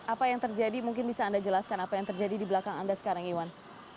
apa yang terjadi mungkin bisa anda jelaskan apa yang terjadi di belakang anda sekarang iwan